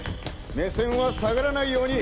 目線は下がらないように！